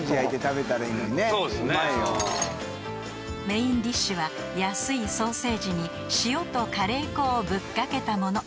［メインディッシュは安いソーセージに塩とカレー粉をぶっ掛けたもの］